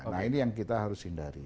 nah ini yang kita harus hindari